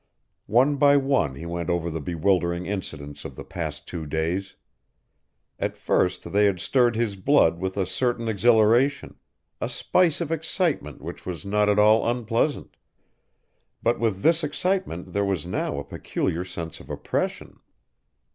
One by one he went over the bewildering incidents of the past two days. At first they had stirred his blood with a certain exhilaration a spice of excitement which was not at all unpleasant; but with this excitement there was now a peculiar sense of oppression.